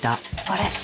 あれ？